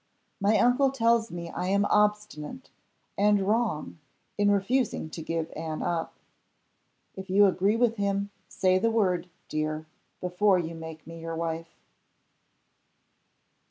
My uncle tells me I am obstinate and wrong in refusing to give Anne up. If you agree with him, say the word, dear, before you make me your wife."